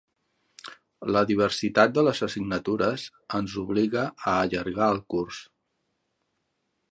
La diversitat de les assignatures ens obliga a allargar el curs.